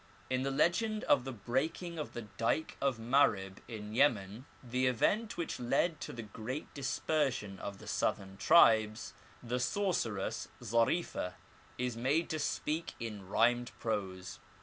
In the legend of the breaking of the dyke of Mareb in Yemen, the 20 The Arabic Language, event whicli led to the great dispersion of the southern tribes, the sorceress Zarifeh is made to speak in rhymed prose.